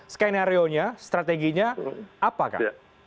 skenario nya strateginya apa kak